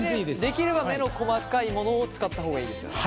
できれば目の細かいものを使った方がいいですよね？